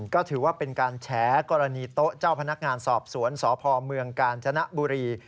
ก็ถือว่าเป็นการแฉกรณีโต๊ะเจ้าพนักงานสอบสวนสพเมืองกาญจนบุรี